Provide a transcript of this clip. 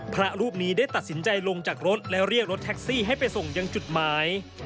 พระรูปนี้ได้ตัดสินใจลงจากรถและเรียกรถแท็กซี่ให้ไปส่งยังจุดหมาย